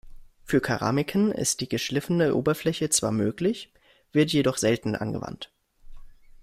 Für Keramiken ist die geschliffene Oberfläche zwar möglich, wird jedoch selten angewandt.